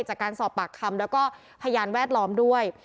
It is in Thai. จากการสอบปากคำแล้วก็พยานแวดล้อมด้วย